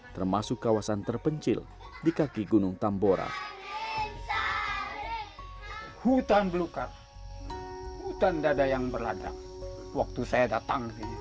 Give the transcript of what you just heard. termasuk kawasan terpencil di kaki gunung tambora